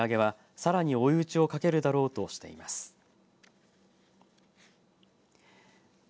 今回の値上げは、さらに追い打ちをかけるだろうとしています。